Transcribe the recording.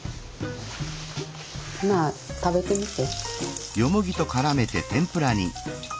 まあ食べてみて。